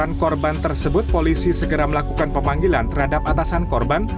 dengan korban tersebut polisi segera melakukan pemanggilan terhadap atasan korban